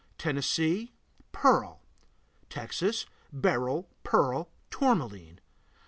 Tennessee Pearl. Texas Beryl, pearl, tourmaline.